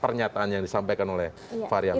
pernyataan yang disampaikan oleh fahri hamza